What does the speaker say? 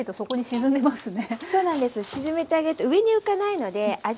沈めてあげて上に浮かないので味